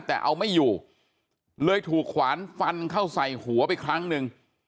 แต่เอาไม่อยู่เลยถูกขวานฟันเข้าใส่หัวไปครั้งหนึ่ง